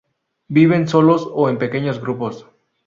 Viven solos o en pequeños grupos.